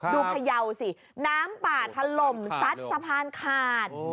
พยาวสิน้ำป่าถล่มซัดสะพานขาด